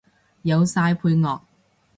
有晒配樂